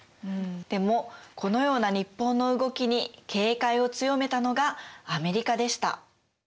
でもこのような日本の動きに警戒を強めたのがアメリカでした。